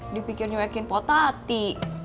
dipikir nyuekin potati